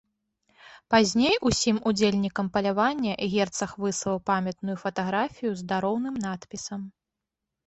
Пазней усім удзельнікам палявання герцаг выслаў памятную фатаграфію з дароўным надпісам.